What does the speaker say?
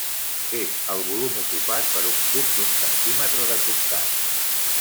És el volum ocupat per un cub d'un centímetre de costat.